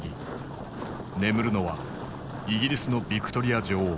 眠るのはイギリスのヴィクトリア女王。